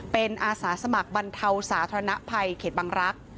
เป็นอาสาสมัครบรรเทาสาธารณภัยเขตบังรักษ์